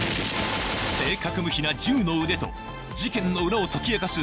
正確無比な銃の腕と事件の裏を解き明かす